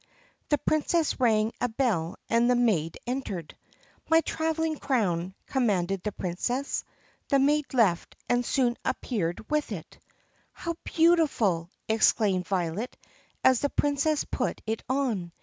The Princess rang a bell and the maid entered. "My traveling crown," commanded the Princess. The maid left and soon appeared with it. THE PUSSYCAT PRINCESS 35 "How beautiful!" exclaimed Violet as the Princess put it on.